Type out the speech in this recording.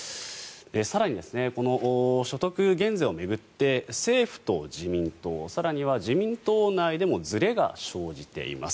更に、この所得減税を巡って政府と自民党更には自民党内でもずれが生じています。